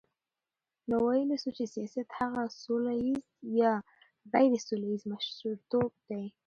نو ویلای سو چی سیاست هغه سوله ییز یا غیري سوله ییز مشرتوب دی،